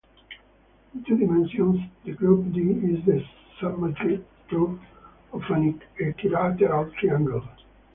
In two dimensions, the group D is the symmetry group of an equilateral triangle.